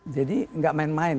jadi tidak main main